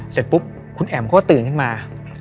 เสร็จปุ๊บคุณแอ๋มเขาก็ตื่นขึ้นมา